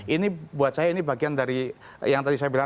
ini buat saya ini bagian dari yang tadi saya bilang